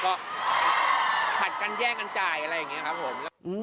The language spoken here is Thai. ก็ผัดกันแย่งกันจ่ายอะไรอย่างนี้ครับผม